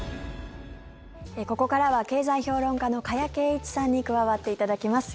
ここからは経済評論家の加谷珪一さんに加わっていただきます。